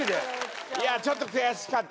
いやちょっと悔しかったね。